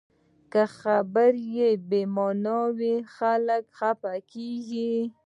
که خبرې بې معنا وي، خلک خفه کېږي